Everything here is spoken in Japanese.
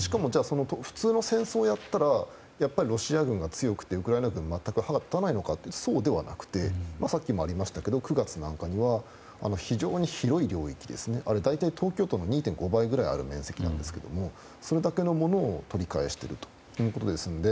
しかも普通の戦争をやったらやっぱりロシア軍が強くてウクライナ軍は全く歯が立たないのかというとそうではなくてさっきもありましたけど９月なんかには非常に広い領域あれ、大体東京都の２．５倍ある面積なんですがそれだけのものを取り返しているということですので